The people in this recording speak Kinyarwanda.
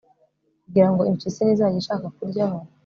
kugira ngo impyisi nizajya ishaka kuryaho